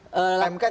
mk tidak bicara itu